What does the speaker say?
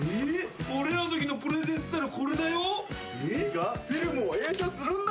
俺らのときのプレゼンっつったらこれだよ。いいか？